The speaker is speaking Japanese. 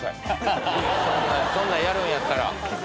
そんなんやるんやったら。